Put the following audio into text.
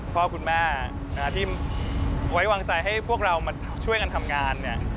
พ่อแม่ที่ไว้วางใจให้พวกเรามาช่วยกันทำงานเนี่ย